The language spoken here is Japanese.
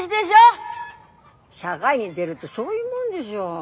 社会に出るってそういうもんでしょ。